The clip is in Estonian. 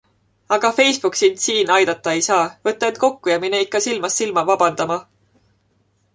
Aga Facebook sind siin aidata ei saa, võta end kokku ja mine ikka silmast silma vabandama.